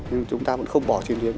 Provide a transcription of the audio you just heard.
nhưng chúng ta vẫn không bỏ truyền thuyền